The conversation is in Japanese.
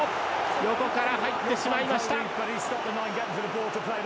横から入ってしまいました。